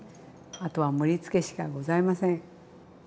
あとは盛りつけしかございません。